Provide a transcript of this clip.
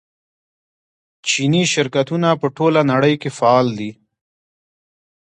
چیني شرکتونه په ټوله نړۍ کې فعال دي.